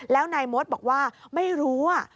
แล้วนายมดบอกว่าไม่รู้